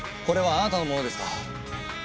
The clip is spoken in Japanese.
これはあなたのものですか？